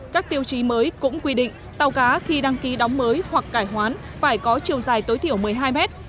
các tiêu chí mới cũng quy định tàu cá khi đăng ký đóng mới hoặc cải hoán phải có chiều dài tối thiểu một mươi hai mét